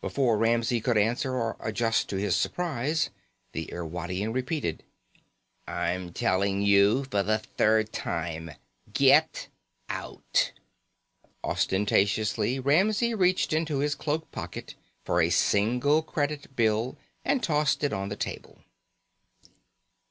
Before Ramsey could answer or adjust to his surprise, the Irwadian repeated: "I'm telling you for the third time. Get out." Ostentatiously, Ramsey reached into his cloak pocket for a single credit bill and tossed it on the table.